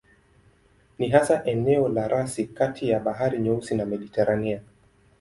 Ni hasa eneo la rasi kati ya Bahari Nyeusi na Mediteranea.